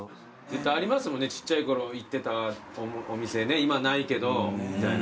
ありますもんねちっちゃいころ行ってたお店今ないけどみたいな。